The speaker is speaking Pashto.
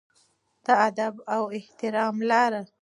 د ادب او احترام لاره.